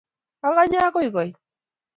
Aganye agoi koito